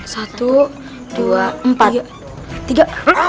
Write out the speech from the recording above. satu dua empat tiga